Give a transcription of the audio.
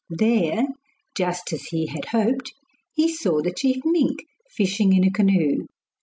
There, just as he had hoped, he saw the chief mink fishing in a canoe.